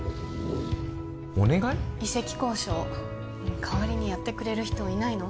移籍交渉代わりにやってくれる人はいないの？